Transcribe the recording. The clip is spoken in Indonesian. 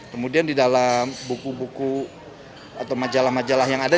kemudian di dalam buku buku atau majalah majalah yang ada